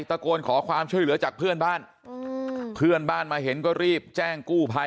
ตะโกนขอความช่วยเหลือจากเพื่อนบ้านเพื่อนบ้านมาเห็นก็รีบแจ้งกู้ภัย